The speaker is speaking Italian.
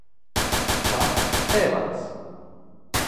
Chuck Evans